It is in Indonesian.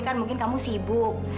kan mungkin kamu sibuk